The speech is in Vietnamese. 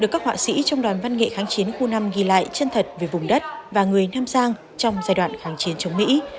các họa sĩ trong đoàn văn nghệ kháng chiến khu năm ghi lại chân thật về vùng đất và người nam giang trong giai đoạn kháng chiến chống mỹ